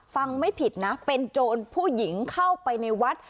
ไม่ผิดนะเป็นโจรผู้หญิงเข้าไปในวัด